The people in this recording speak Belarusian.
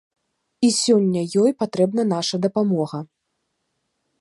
І сёння ёй патрэбна наша дапамога.